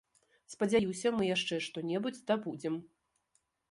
Спадзяюся, мы яшчэ што-небудзь здабудзем.